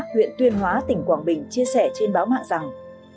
huyện tuyên hóa tỉnh quảng bình chia sẻ trên báo mạng rằng